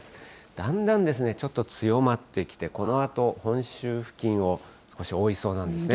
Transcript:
だんだん、ちょっと強まってきて、このあと本州付近を覆いそうなんですね。